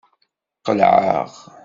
Qelɛeɣ.